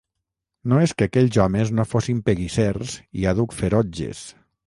No és que aquells homes no fossin peguissers i àdhuc ferotges.